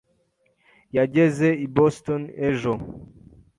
yageze i Boston ejo.